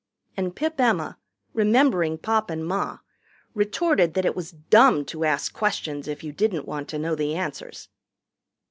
And Pip Emma, remembering Pop and Ma, retorted that it was dumb to ask questions if you didn't want to know the answers.